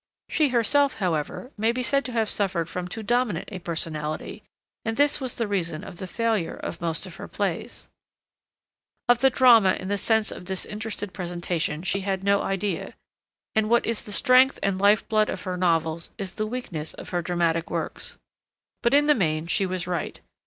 She herself, however, may be said to have suffered from too dominant a personality, and this was the reason of the failure of most of her plays. Of the drama in the sense of disinterested presentation she had no idea, and what is the strength and life blood of her novels is the weakness of her dramatic works. But in the main she was right.